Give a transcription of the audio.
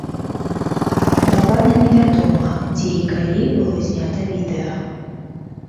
Дакладна невядома, дзе і калі было знята відэа.